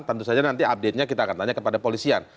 tentu saja nanti update nya kita akan tanya kepada polisian